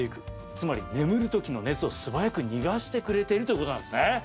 つまり眠る時の熱を素早く逃がしてくれているということなんですね。